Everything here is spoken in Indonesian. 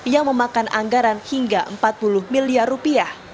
yang memakan anggaran hingga empat puluh tahun